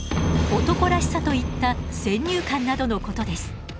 男らしさといった先入観などのことです。